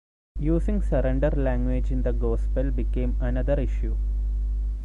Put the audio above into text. Using surrender language in the gospel became another issue.